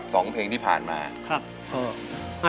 พี่ต้องรู้หรือยังว่าเพลงอะไร